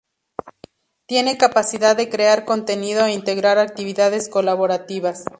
Tiene capacidad de crear contenido e integrar actividades colaborativas.